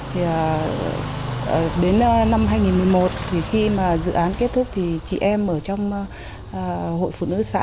thì đến năm hai nghìn một mươi một thì khi mà dự án kết thúc thì chị em ở trong hội phụ nữ xã